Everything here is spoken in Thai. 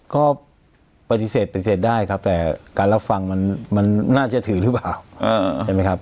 ก็ปฏิเสธปฏิเสธได้ครับแต่การรับฟังมันน่าจะถือหรือเปล่าใช่ไหมครับ